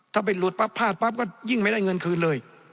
ถ้าเป็นหลุดปั๊บพลาดปั๊บก็ยิ่งไม่ได้เงินคืนเลย